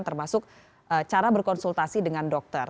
termasuk cara berkonsultasi dengan dokter